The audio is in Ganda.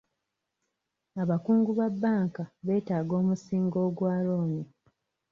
Abakungu ba bbanka betaaga omusingo ogwa looni.